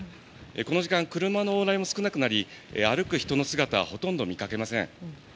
この時間、車の往来も少なくなり歩く人の姿はほとんど見かけません。